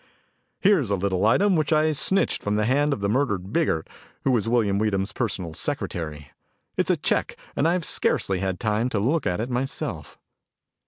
"Here's a little item which I snitched from the hand of the murdered Biggert, who was William Weedham's personal secretary. It's a check, and I've scarcely had time to look at it myself."